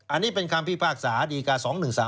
อันนี้เป็นคำพิพากษาดีกา๒๑๓